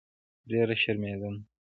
ډېره شرمېدم.